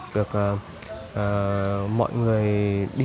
được mọi người đi